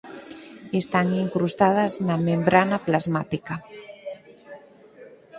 Están incrustadas na membrana plasmática.